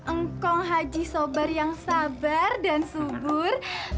engkong haji sobar yang sabar dan subur